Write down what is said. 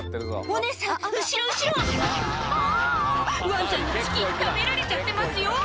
ワンちゃんにチキン食べられちゃってますよ